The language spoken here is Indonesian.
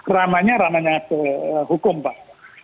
ramanya ramanya hukum pak